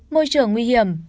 môi trường nguy hiểm